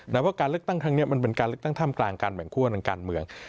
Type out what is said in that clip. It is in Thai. แต่ว่าการเลือกตั้งครั้งนี้มันเป็นการเลือกตั้งท่ามกลางการแบ่งคั่วทางการเมือง